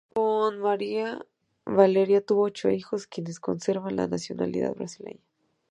Con María Valeria tuvo ocho hijos, quienes conservan la nacionalidad brasileña.